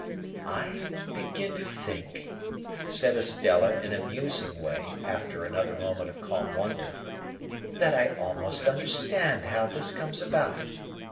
"I begin to think," said Estella, in a musing way, after another moment of calm wonder, "that I almost understand how this comes about.